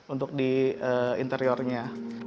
untuk di interiornya